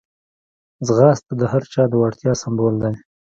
ځغاسته د هر چا د وړتیا سمبول دی